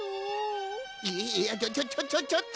いやちょちょちょちょっと！